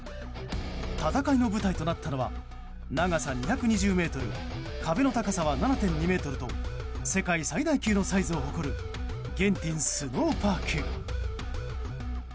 戦いの舞台となったのは長さ２２０ｍ壁の高さは７．２ｍと世界最大級のサイズを誇るゲンティンスノーパーク。